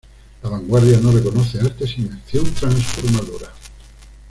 La vanguardia no reconoce arte sin acción transformadora.